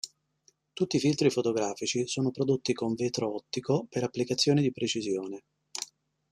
Tutti i filtri fotografici sono prodotti con vetro ottico per applicazioni di precisione.